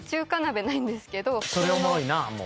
それおもろいなもう。